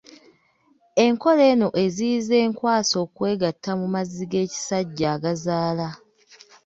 Enkola eno eziyiza enkwaso okwegatta mu mazzi g’ekisajja agazaala.